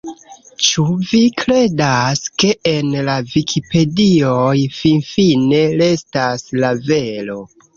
Ĉu vi kredas, ke en la vikipedioj finfine restas la vero?